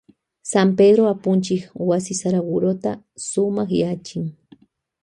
San Pedró apunchik wasi Saragurota sumakyachin.